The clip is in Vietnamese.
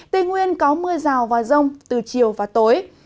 tây nguyên có mưa rào và rông từ chiều và tối